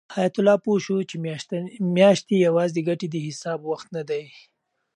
حیات الله پوه شو چې میاشتې یوازې د ګټې د حساب وخت نه دی.